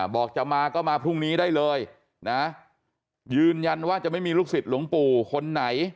บอกจะมาก็มาพรุ่งนี้ได้เลยนะยืนยันว่าจะไม่มีลูกศิษย์หลวงปู่คนไหน